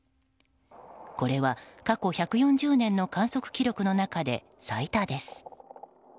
これは、過去１４０年の観測記録の中で最多です。